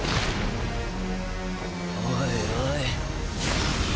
おいおい。